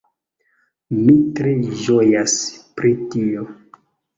Mi tre ĝojas pri tio